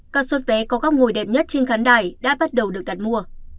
các suất vé có góc ngồi đẹp nhất trên khán đài đã bắt đầu được đặt mua